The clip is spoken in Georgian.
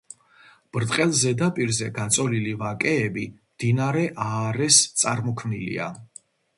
ბრტყელ ზედაპირზე გაწოლილი ვაკეები მდინარე აარეს წარმოქმნილია.